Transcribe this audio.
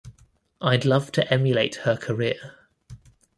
I'd love to emulate her career.